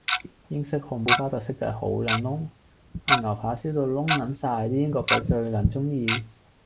英式漢堡包特色就係好撚燶，塊牛扒燒到燶撚晒啲英國鬼最撚鍾意